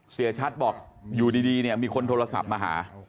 เสียชัดบอกอยู่ดีเนี่ยมีคนโทรศัพท์มาหา